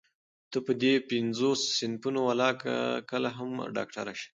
ته په دې پينځو صنفونو ولاکه کله هم ډاکټره شې.